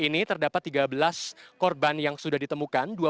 ini terdapat tiga belas korban yang sudah ditemukan